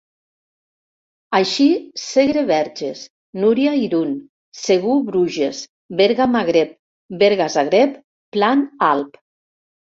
Així: Segre-Verges; Núria-Irun; Segur-Bruges; Berga-Magreb; Berga-Zagreb; Plan-Alp.